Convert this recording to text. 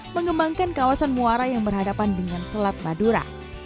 mengembangkan kawasan muara yang berhadapan dengan selat madura